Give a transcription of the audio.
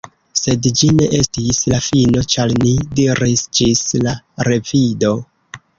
Sed ĝi ne estis la fino, ĉar ni diris, “Ĝis la revido!”